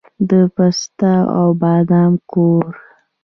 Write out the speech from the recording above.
د پسته او بادام کور.